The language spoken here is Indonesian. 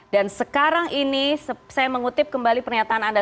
dan sekarang ini saya mengutip kembali pernyataan anda